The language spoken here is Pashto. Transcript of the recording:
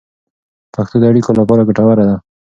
پښتو د اړیکو لپاره ګټوره ده.